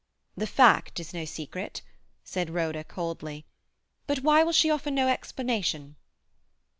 "The fact is no secret," said Rhoda coldly. "But why will she offer no explanation?"